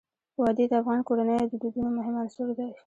وادي د افغان کورنیو د دودونو مهم عنصر دی.